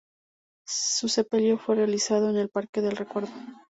Su sepelio fue realizado en el Parque del Recuerdo.